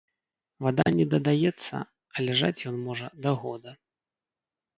Вада не дадаецца, а ляжаць ён можа да года.